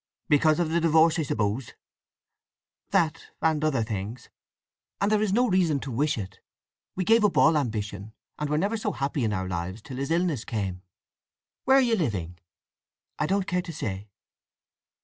"Because of the divorce, I suppose?" "That and other things. And there is no reason to wish it. We gave up all ambition, and were never so happy in our lives till his illness came." "Where are you living?" "I don't care to say."